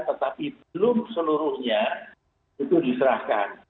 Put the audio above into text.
tetapi belum seluruhnya itu diserahkan